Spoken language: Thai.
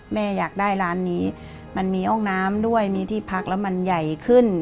อยากได้ร้านนี้มันมีห้องน้ำด้วยมีที่พักแล้วมันใหญ่ขึ้น